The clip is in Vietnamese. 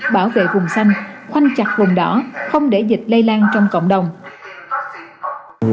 bảo vệ vùng xanh khoanh chặt vùng đỏ không để dịch lây lan trong cộng đồng